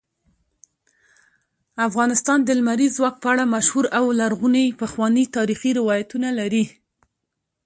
افغانستان د لمریز ځواک په اړه مشهور او لرغوني پخواني تاریخی روایتونه لري.